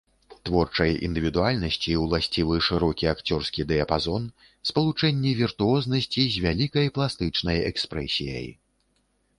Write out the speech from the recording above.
Творчай індывідуальнасці ўласцівы шырокі акцёрскі дыяпазон, спалучэнне віртуознасці з вялікай пластычнай экспрэсіяй.